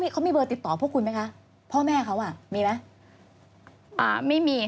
เขามีเบอร์ติดต่อพวกคุณไหมคะพ่อแม่เขามีไหม